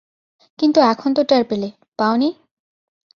কিন্তু এখন তো টের পেলে, পাওনি?